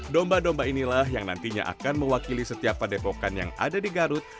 domba domba inilah yang nantinya akan mewakili setiap padepokan yang ada di garut